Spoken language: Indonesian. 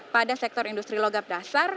pada sektor industri logam dasar